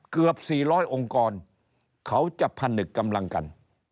เกือบ๔๐๐องค์กรเขาจะผนึกกำลังกัน